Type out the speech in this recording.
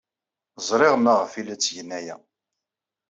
Ẓriɣ maɣef ay la ttgen aya.